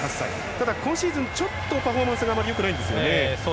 ただ今シーズンちょっとパフォーマンスがあまり良くないんですよね。